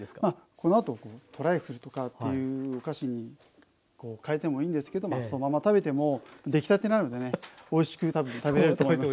このあとトライフルとかっていうお菓子に変えてもいいんですけどそのまま食べても出来たてなのでねおいしく多分食べれると思います。